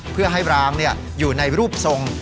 เพื่อให้ร้างอยู่ในรูปทรง